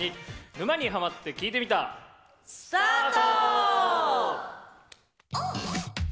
「沼にハマってきいてみた」。スタート！